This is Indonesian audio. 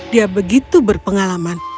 dia begitu berpengalaman